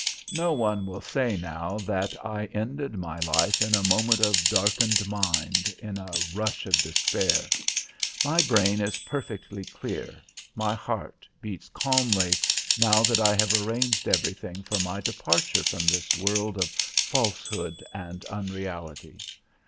No one will say now that ended my life in a moment of darkened mind, in a rush of despair. My brain is perfectly clear, my heart beats calmly, now that I have arranged everything for my departure from this world of falsehood and unreality.